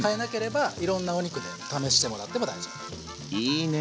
いいね